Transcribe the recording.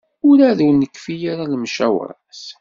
Werɛad ur nekfi ara lemcawṛat.